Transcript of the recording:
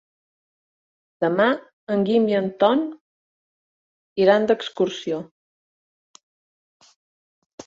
Demà en Guim i en Tom iran d'excursió.